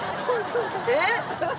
えっ！